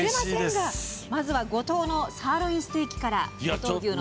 まずは「五島牛のサーロインステーキ」から。